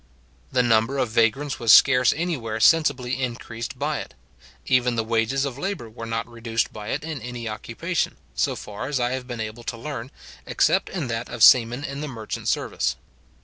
The number of vagrants was scarce anywhere sensibly increased by it; even the wages of labour were not reduced by it in any occupation, so far as I have been able to learn, except in that of seamen in the merchant service.